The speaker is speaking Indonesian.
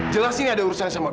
jelas ini ada urusan yang sama gue